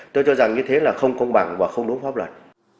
tôi cho rằng như thế là không công bằng và không đúng pháp luật